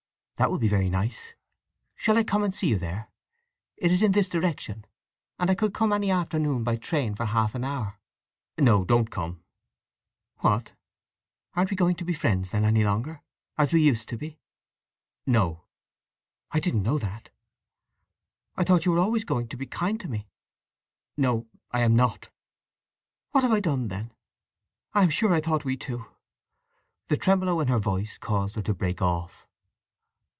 "That will be very nice. Shall I come and see you there? It is in this direction, and I could come any afternoon by train for half an hour?" "No. Don't come!" "What—aren't we going to be friends, then, any longer, as we used to be?" "No." "I didn't know that. I thought you were always going to be kind to me!" "No, I am not." "What have I done, then? I am sure I thought we two—" The tremolo in her voice caused her to break off.